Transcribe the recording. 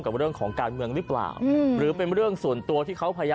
แจ้งรถกลับเครื่องหน่อย